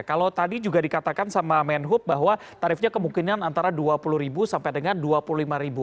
kalau tadi juga dikatakan sama menhub bahwa tarifnya kemungkinan antara rp dua puluh sampai dengan rp dua puluh lima